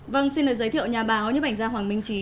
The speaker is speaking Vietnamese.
vâng xin được giới thiệu nhà báo nhấp ảnh gia hoàng minh trí